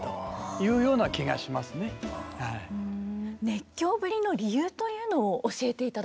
熱狂ぶりの理由というのを教えていただきたいんですけれども。